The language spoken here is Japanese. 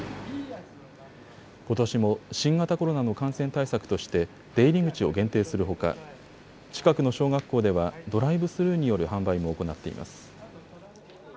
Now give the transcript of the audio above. ことしも新型コロナの感染対策として出入り口を限定するほか近くの小学校ではドライブスルーによる販売も行っています。